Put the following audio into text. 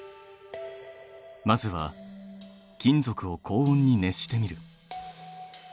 まずは金属を高温に熱してみる。